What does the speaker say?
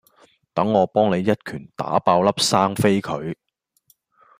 等我幫你一拳打爆粒生痱佢